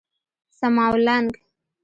څماولنګ